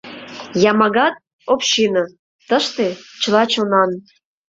Ямагат — община, тыште — чыла чонан.